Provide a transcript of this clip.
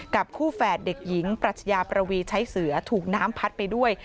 กับคู่แฝดเด็กหญิงปรัชญาประวีใช้เสือถูกน้ำพัดไปด้วย